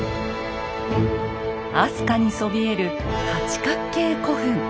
飛鳥にそびえる八角形古墳。